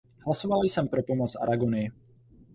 Hlasovala jsem pro pomoc Aragonii.